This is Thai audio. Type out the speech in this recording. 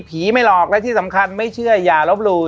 ไม่หลอกและที่สำคัญไม่เชื่ออย่าลบหลู่